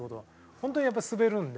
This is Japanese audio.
本当にやっぱ滑るんで。